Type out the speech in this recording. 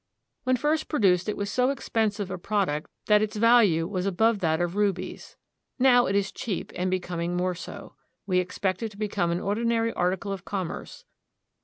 When first produced it was so expensive a product that its value was above that of rubies. Now it is cheap and becoming more so. We expect it to become an ordinary article of commerce.